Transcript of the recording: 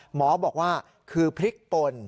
หมอบอกว่าคือพริกปน